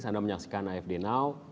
sedang menyaksikan afd now